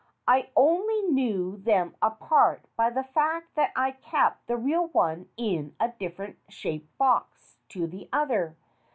I only knew them apart by the fact that I kept the real one in a different shaped box to the other.